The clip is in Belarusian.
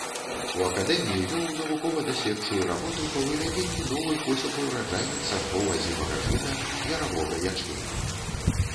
У акадэміі вёў навукова-даследчую работу па вывядзенні новых высокаўраджайных сартоў азімага жыта, яравога ячменю.